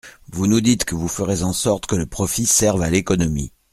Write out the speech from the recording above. Vous nous dites que vous ferez en sorte que le profit serve à l’économie.